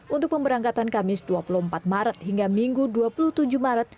untuk pemberangkatan kamis dua puluh empat maret hingga minggu dua puluh tujuh maret